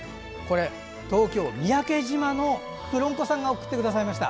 東京・三宅島のくろんこさんが送ってくださいました。